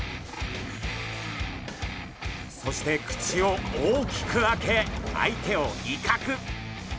そして口を大きく開け相手を威嚇！